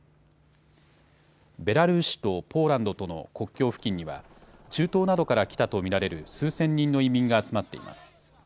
ベラルーシとポーランドとの国境付近には中東などから来たと見られる数千人の移民が集まっています。